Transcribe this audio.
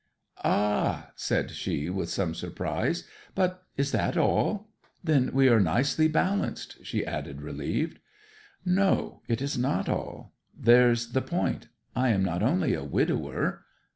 'Ah!' said she, with some surprise. 'But is that all? then we are nicely balanced,' she added, relieved. 'No it is not all. There's the point. I am not only a widower.'